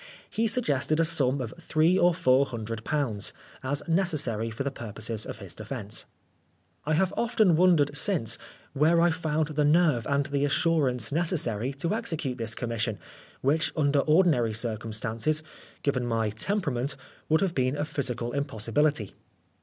He suggested a sum of three or four hundred pounds, as necessary for the purposes of his defence. I have often wondered since, where I found the nerve and the assurance necessary to execute this commission, which under ordinary circumstances, given my tempera ment, would have been a physical im possibility.